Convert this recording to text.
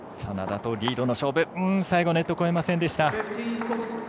眞田とリードの勝負は最後、ネット越えませんでした。